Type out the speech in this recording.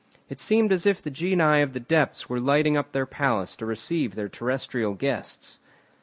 It seemed as if the genii of the depths were lighting up their palace to receive their terrestrial guests.